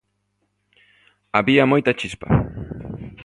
Había moita chispa.